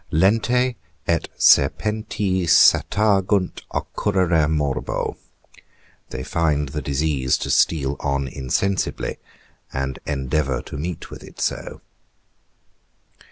LENTE ET SERPENTI SATAGUNT OCCURRERE MORBO. _They find the disease to steal on insensibly, and endeavour to meet with it so.